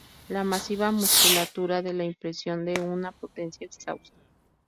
La masiva musculatura da la impresión de una potencia exhausta.